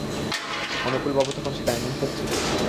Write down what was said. অনুকূলবাবু তখন সেখানে মুন্সেফ ছিলেন।